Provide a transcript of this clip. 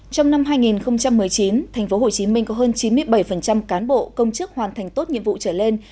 trong năm hai nghìn một mươi chín thành phố hồ chí minh có hơn chín mươi bảy cán bộ công chức hoàn thành tốt nhiệm vụ trở lên